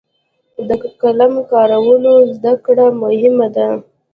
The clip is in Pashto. د قلم کارولو زده کړه مهمه ده.